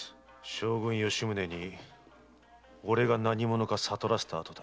将軍・吉宗に俺が何者か悟らせた後だ。